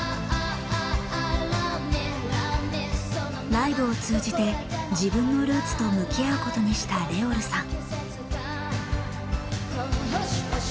ライブを通じて自分のルーツと向き合うことにしたＲｅｏｌさん。